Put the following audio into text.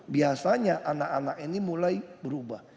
biasanya anak anak ini mulai berubah